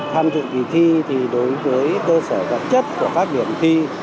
tham dự kỳ thi thì đối với tơ sở vật chất của phát biển thi